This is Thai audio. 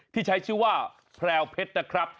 ที่ใช้ชื่อว่าแพรวเพชรนะครับ